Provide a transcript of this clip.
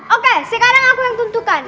oke sekarang aku yang tentukan